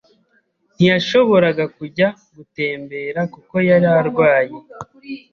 Ntiyashoboraga kujya gutembera kuko yari arwaye.